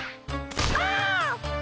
ああ！